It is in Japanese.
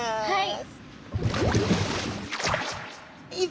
はい。